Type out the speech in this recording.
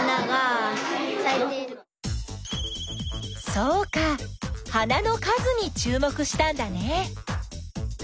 そうか花の数にちゅうもくしたんだね。